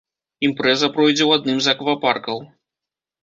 Імпрэза пройдзе ў адным з аквапаркаў.